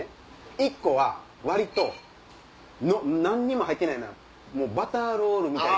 １個は割と何にも入ってないようなバターロールみたいな。